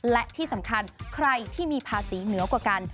และที่สำคัญใครที่มีภาษีเหนือกว่ากัน